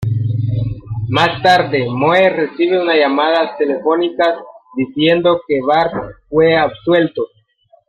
Más tarde, Moe recibe una llamadas telefónicas diciendo que Bart fue absuelto.